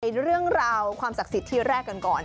เรื่องราวความศักดิ์สิทธิ์ที่แรกกันก่อน